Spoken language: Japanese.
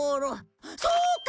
そうか！